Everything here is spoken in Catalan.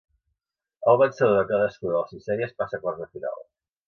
El vencedor de cadascuna de les sis sèries passa a quarts de final.